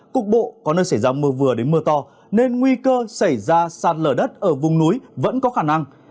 cục bộ có nơi xảy ra mưa vừa đến mưa to nên nguy cơ xảy ra sạt lở đất ở vùng núi vẫn có khả năng